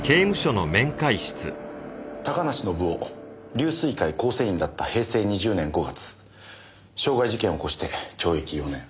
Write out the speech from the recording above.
高梨宣夫龍翠会構成員だった平成２０年５月傷害事件を起こして懲役４年。